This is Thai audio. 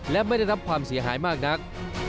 และไม่ได้รับความเสียหายมากนัก